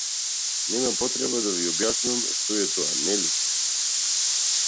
Нема потреба да ви објаснувам што е тоа, нели?